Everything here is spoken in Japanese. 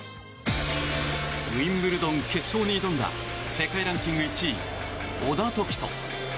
ウィンブルドン決勝に挑んだ世界ランキング１位、小田凱人。